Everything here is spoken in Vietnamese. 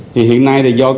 thì hiện nay là do